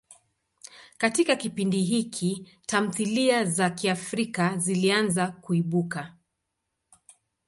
Katika kipindi hiki, tamthilia za Kiafrika zilianza kuibuka.